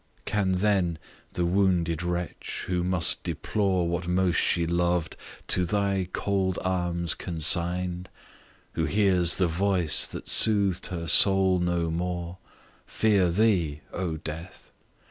Can then the wounded wretch, who must deplore What most she loved, to thy cold arms consign'd, Who hears the voice that soothed her soul no more, Fear thee , O Death!